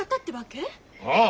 ああ。